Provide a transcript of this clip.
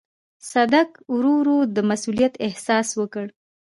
صدک ورو ورو د مسووليت احساس وکړ.